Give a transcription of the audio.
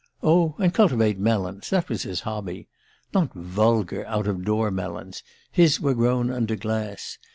Oh, and cultivate melons that was his hobby. Not vulgar, out of door melons his were grown under glass.